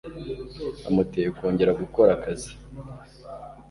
Bamuteye kongera gukora akazi.